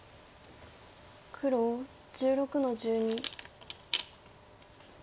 黒１６の十二。